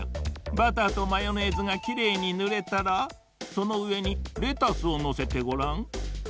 バターとマヨネーズがきれいにぬれたらそのうえにレタスをのせてごらん。